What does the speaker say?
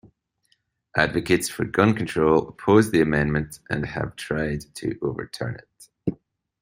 Advocates for gun control oppose the amendment and have tried to overturn it.